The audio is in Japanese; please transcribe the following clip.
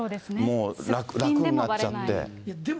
もう楽になっちゃって。